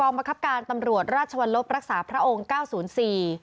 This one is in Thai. บังคับการตำรวจราชวรรลบรักษาพระองค์เก้าศูนย์สี่